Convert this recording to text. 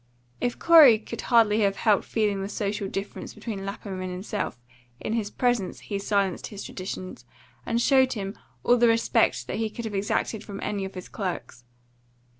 If Corey could hardly have helped feeling the social difference between Lapham and himself, in his presence he silenced his traditions, and showed him all the respect that he could have exacted from any of his clerks.